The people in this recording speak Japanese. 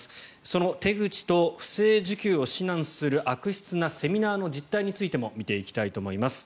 その手口と不正受給を指南する悪質なセミナーの実態についても見ていきたいと思います。